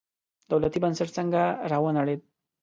دولتي بنسټ څنګه راونړېد.